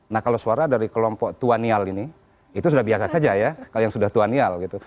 nah kalau suara dari kelompok tuanial ini itu sudah biasa saja ya kalau yang sudah tuanial gitu